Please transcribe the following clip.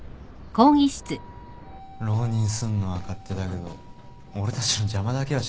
浪人すんのは勝手だけど俺たちの邪魔だけはしないでほしいよな。